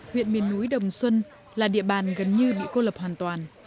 huyện miền núi đồng xuân là địa bàn gần như bị cô lập hoàn toàn